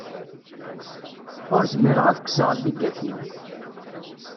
Ur zmireɣ ad kkseɣ lligat-iw.